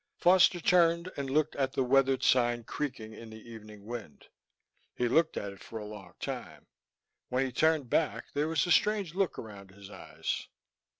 Foster turned and looked out at the weathered sign creaking in the evening wind. He looked at it for a long time. When he turned back, there was a strange look around his eyes.